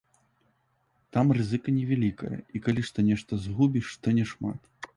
Там рызыка невялікая, і калі што нешта згубіш, то не шмат.